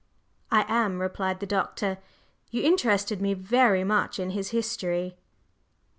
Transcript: "I am," replied the Doctor. "You interested me very much in his history."